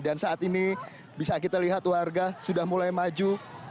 dan saat ini bisa kita lihat warga sudah mulai maju